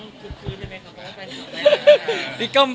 แต่สมัยนี้ไม่ใช่อย่างนั้น